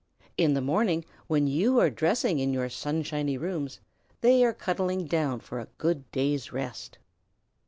In the morning, when you are dressing in your sunshiny rooms, they are cuddling down for a good day's rest.